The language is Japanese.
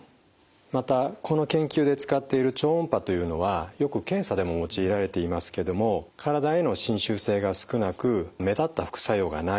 またこの研究で使っている超音波というのはよく検査でも用いられていますけども体への侵襲性が少なく目立った副作用がない。